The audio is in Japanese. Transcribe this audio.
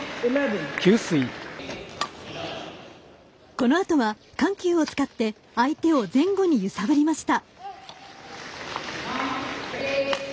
このあとは緩急をつかって相手を前後に揺さぶりました。